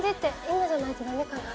今じゃないとダメかな？